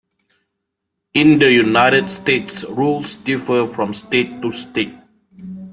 In the United States rules differ from state to state.